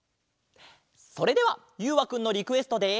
それではゆうわくんのリクエストで。